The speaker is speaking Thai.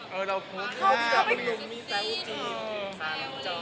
เออเราพูดว่าลุงมีแซวจีน